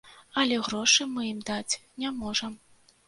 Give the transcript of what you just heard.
Але грошы мы ім даць не можам.